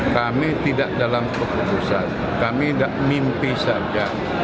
kami tidak dalam keputusan kami mimpi saja